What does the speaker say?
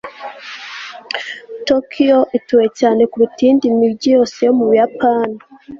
tokiyo ituwe cyane kuruta iyindi mijyi yose yo mu buyapani